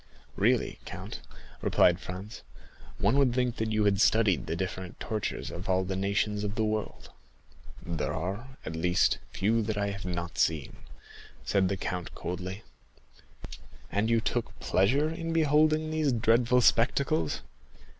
"Really, count," replied Franz, "one would think that you had studied the different tortures of all the nations of the world." "There are, at least, few that I have not seen," said the count coldly. "And you took pleasure in beholding these dreadful spectacles?"